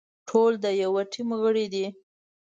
ټول د يوه ټيم غړي دي.